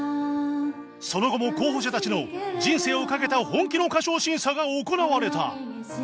その後も候補者たちの人生をかけた本気の歌唱審査が行われた